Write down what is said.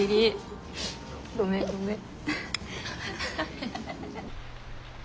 ごめんごめん。